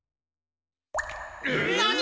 なに！？